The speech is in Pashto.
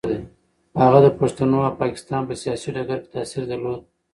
هغه د پښتنو او پاکستان په سیاسي ډګر کې تاثیر درلود.